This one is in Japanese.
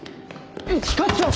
一課長！